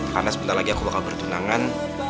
karena sebentar lagi aku bakal bertunangan